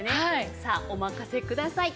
さあお任せください。